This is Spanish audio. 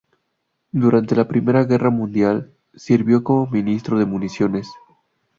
Durante la Primera Guerra Mundial, sirvió como ministro de Municiones.